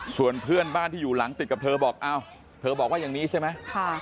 ส่วนเพื่อนบ้านที่อยู่หลังติดกับเธอบอกอ้าวเธอบอกว่าอย่างนี้ใช่ไหม